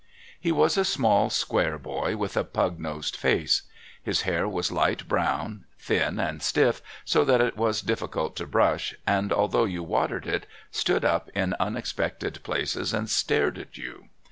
He was a small, square boy with a pug nosed face. His hair was light brown, thin and stiff, so that it was difficult to brush, and although you watered it, stood up in unexpected places and stared at you.